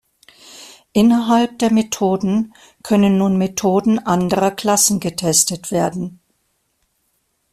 Innerhalb der Methoden können nun Methoden anderer Klassen getestet werden.